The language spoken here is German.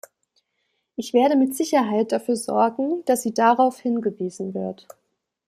Ich werde mit Sicherheit dafür sorgen, dass sie darauf hingewiesen wird.